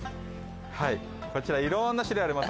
こちらいろんな種類あります。